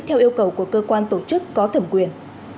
theo yêu cầu của cơ quan tổ chức có thẩm quyền